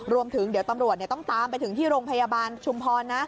รวมถึงเดี๋ยวตำรวจต้องตามไปถึงที่โรงพยาบาลชุมพรนะ